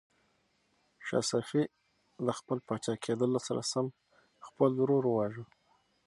شاه صفي له خپل پاچا کېدلو سره سم خپل ورور وواژه.